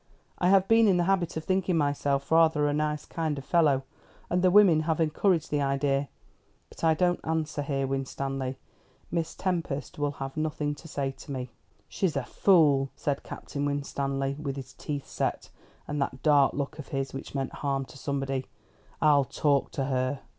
I have been in the habit of thinking myself rather a nice kind of fellow, and the women have encouraged the idea. But I don't answer here, Winstanley. Miss Tempest will have nothing to say to me." "She's a fool," said Captain Winstanley, with his teeth set, and that dark look of his which meant harm to somebody. "I'll talk to her."